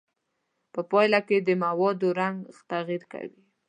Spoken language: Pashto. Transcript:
په پایله کې د موادو رنګ تغیر کوي.